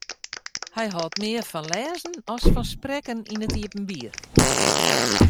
Hy hâldt mear fan lêzen as fan sprekken yn it iepenbier.